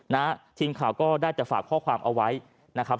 นะฮะทีมข่าวก็ได้แต่ฝากข้อความเอาไว้นะครับ